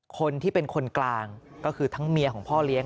คนที่เป็นคนกลางก็คือทั้งเมียของพ่อเลี้ยง